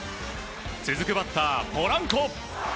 続くバッター、ポランコ。